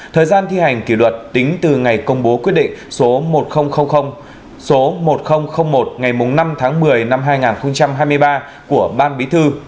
thời gian thi hành kỷ luật tính từ ngày công bố quyết định số một nghìn số một nghìn một ngày năm tháng một mươi năm hai nghìn hai mươi ba của ban bí thư